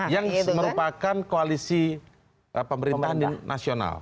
yang merupakan koalisi pemerintahan nasional